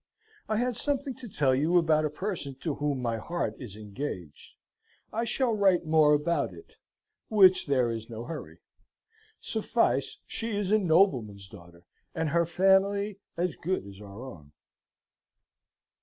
I had something to tell you about a person to whom my heart is engaged. I shall write more about it, which there is no hurry. Safice she is a nobleman's daughter, and her family as good as our own."